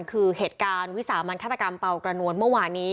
คือเหตุการณ์วิสามันฆาตกรรมเป่ากระนวลเมื่อวานนี้